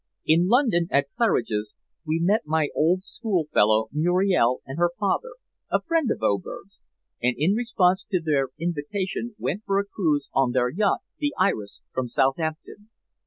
"In London, at Claridge's, we met my old schoolfellow Muriel and her father a friend of Oberg's and in response to their invitation went for a cruise on their yacht, the Iris, from Southampton.